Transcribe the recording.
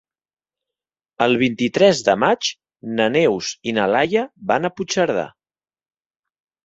El vint-i-tres de maig na Neus i na Laia van a Puigcerdà.